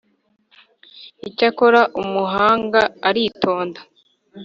Icyakora umuhanga aritonda